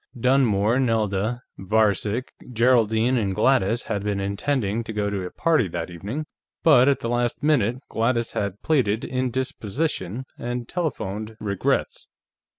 Dunmore, Nelda, Varcek, Geraldine and Gladys had been intending to go to a party that evening, but at the last minute Gladys had pleaded indisposition and telephoned regrets.